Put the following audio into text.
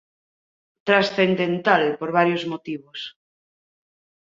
Transcendental por varios motivos.